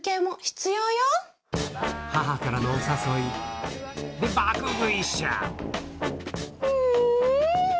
母からのお誘いでうん！